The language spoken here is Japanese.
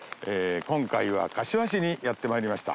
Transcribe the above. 今回は柏市にやってまいりました。